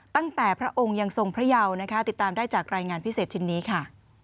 ตั้งแต่พระองค์ยังทรงพระยาวนะคะติดตามได้จากรายงานพิเศษที่นี้ค่ะ